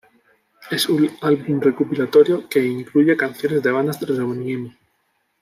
Es un álbum recopilatorio que incluye canciones de bandas de Rovaniemi.